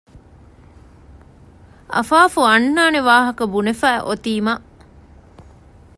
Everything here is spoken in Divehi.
އަފާފު އަންނާނެ ވާހަކަ ބުނެފައި އޮތީމަ